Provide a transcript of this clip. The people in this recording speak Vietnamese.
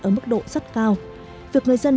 ở mức độ rất cao việc người dân